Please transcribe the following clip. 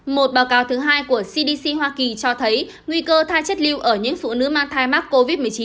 một báo cáo thứ hai của cdc hoa kỳ cho thấy nguy cơ tha chất lưu ở những phụ nữ mang thai mắc covid một mươi chín